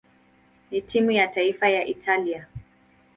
na timu ya taifa ya Italia.